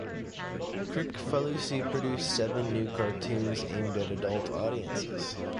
Kricfalusi produced seven new cartoons aimed at adult audiences.